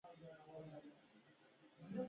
د خوست په ګربز کې کوم کانونه دي؟